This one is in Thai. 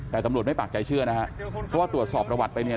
แต่ตำรวจไม่ปากใจเชื่อนะฮะเพราะว่าตรวจสอบประวัติไปเนี่ย